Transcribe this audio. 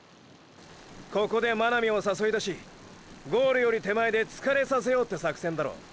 ここで真波を誘い出しゴールより手前で疲れさせようって作戦だろ？